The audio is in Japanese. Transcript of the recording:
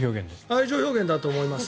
愛情表現だと思います